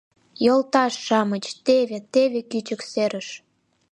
Йолташ-шамыч, теве, теве кӱчык серыш!